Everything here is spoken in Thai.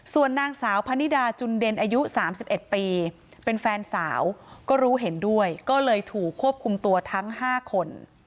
ส่วนนางสาวพนิดาจุนเด่นอายุ๓๑ปีเป็นแฟนสาวก็รู้เห็นด้วยก็เลยถูกควบคุมตัวทั้ง๕คน